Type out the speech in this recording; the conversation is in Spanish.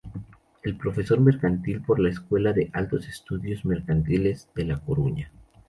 Es Profesor Mercantil por la Escuela de Altos Estudios Mercantiles de La Coruña.